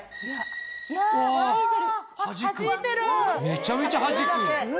めちゃめちゃはじく！